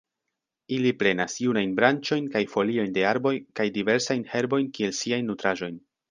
Ili prenas junajn branĉojn kaj foliojn de arboj kaj diversajn herbojn kiel siajn nutraĵojn.